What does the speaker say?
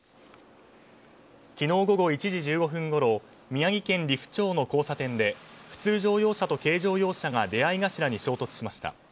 昨日午後１時１５分ごろ宮城県利府町の交差点で普通乗用車と軽乗用車が出合い頭に衝突しました。